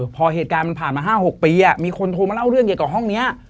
พอเหตุการณ์มันผ่านมา๕๖ปีมีคนโทรมาเล่าเรื่องเกี่ยวกับห้องนี้